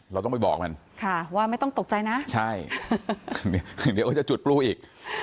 เราต้องไปบอกมันค่ะว่าไม่ต้องตกใจนะใช่เดี๋ยวก็จะจุดปลูอีก